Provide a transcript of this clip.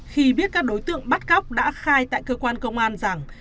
khi biết các đối tượng bắt cóc đã khai tại cơ quan công an rằng